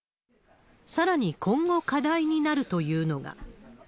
さらに、今後課題になるというのが。